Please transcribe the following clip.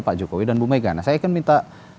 pak jokowi dan bu mega nah saya akan minta